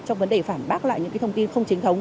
trong vấn đề phản bác lại những thông tin không chính thống